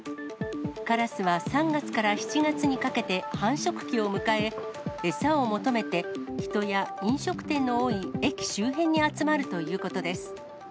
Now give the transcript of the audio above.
カラスは３月から７月にかけて繁殖期を迎え、餌を求めて、人や飲食店の多い駅周辺に集まるということです。